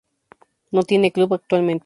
No tiene club actualmente.